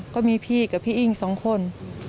ก็มีพี่กับพี่อิ้งสองคน